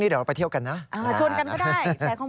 แล้วพรุ่งนี้เดี๋ยวเราไปเที่ยวกันนะ